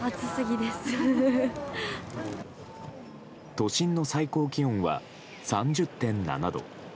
都心の最高気温は３０．７度。